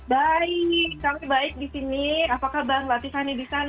hai baik baik disini apa kabar batisannya di sana